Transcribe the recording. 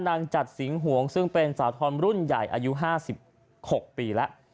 จัดสิงหวงซึ่งเป็นสาวธอมรุ่นใหญ่อายุ๕๖ปีแล้ว